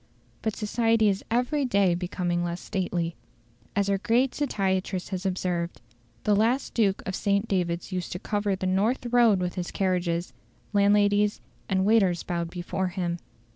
But society is every day becoming less stately. As our great satirist has observed, "The last Duke of St. David's used to cover the north road with his carriages; landladies and waiters bowed before him.